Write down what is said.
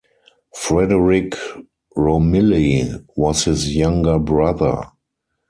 Frederick Romilly was his younger brother.